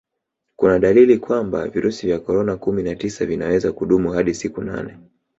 kuna dalili kwamba virusi vya korona kumi na tisa vinaweza kudumu hadi siku nane